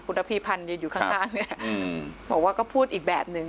คุณอภีร์พันธ์อยู่ข้างบอกว่าก็พูดอีกแบบหนึ่ง